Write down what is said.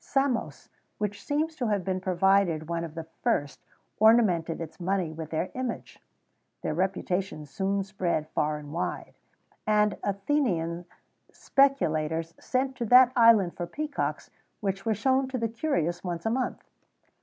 Samos, which seems to have been provided one of the first, ornamented its money with their image.[XVII 119] Their reputation soon spread far and wide;[XVII 120] and Athenian speculators sent to that island for peacocks, which were shown to the curious once a month.